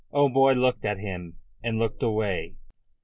O'Moy looked at him, and looked away.